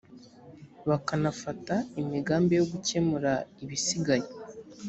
bakanafata imigambi yo gukemura ibisigaye